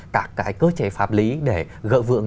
các cái cơ chế phạm lý để gợi vượng